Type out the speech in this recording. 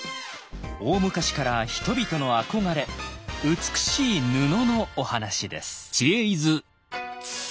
大昔から人々の憧れ美しい布のお話です。